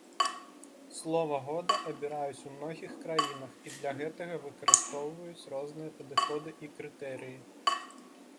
Слова года абіраюць у многіх краінах і для гэтага выкарыстоўваюць розныя падыходы і крытэрыі.